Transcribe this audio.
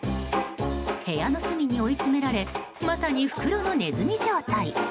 部屋の隅に追い詰められまさに袋の中のネズミ状態。